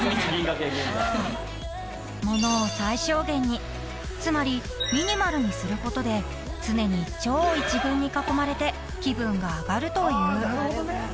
［物を最小限につまりミニマルにすることで常に超１軍に囲まれて気分が上がるという］